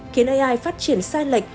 khiến ai phát triển sai lệch